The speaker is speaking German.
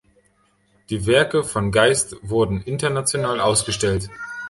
Die Werke von Geist wurden international ausgestellt.